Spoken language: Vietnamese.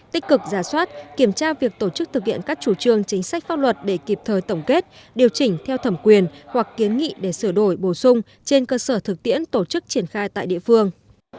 tích cực giả soát kiểm tra việc tổ chức thực hiện các chủ trương chính sách pháp luật để kịp thời tổng kết điều chỉnh theo thẩm quyền hoặc kiến nghị để sửa đổi bổ sung trên cơ sở thực tiễn tổ chức triển khai tại địa phương